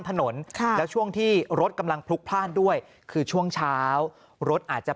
ถนนค่ะแล้วช่วงที่รถกำลังพลุกพลาดด้วยคือช่วงเช้ารถอาจจะ